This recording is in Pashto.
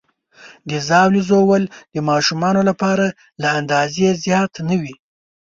د ژاولې ژوول د ماشومانو لپاره له اندازې زیات نه وي.